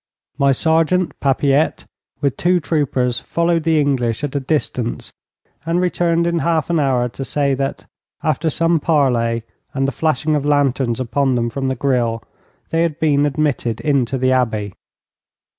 My sergeant, Papilette, with two troopers, followed the English at a distance, and returned in half an hour to say that, after some parley, and the flashing of lanterns upon them from the grille, they had been admitted into the Abbey.